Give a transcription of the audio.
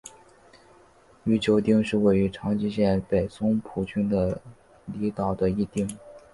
宇久町是位于长崎县北松浦郡的离岛的一町。